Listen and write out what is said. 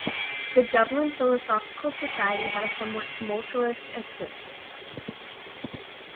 The Dublin Philosophical Society had a somewhat tumultuous existence.